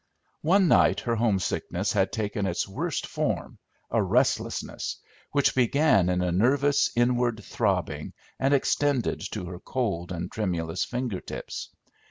One night her homesickness had taken its worst form, a restlessness, which began in a nervous inward throbbing and extended to her cold and tremulous finger tips.